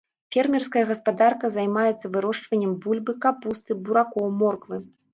Фермерская гаспадарка займаецца вырошчваннем бульбы, капусты, буракоў, морквы.